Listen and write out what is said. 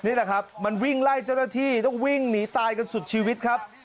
นี่แหละครับมันวิ่งไล่เจ้าหน้าที่ต้องวิ่งหนีตายกันสุดชีวิตครับ